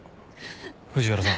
藤原さん